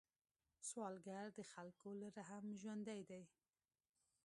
سوالګر د خلکو له رحم ژوندی دی